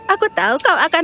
aku tahu kau akan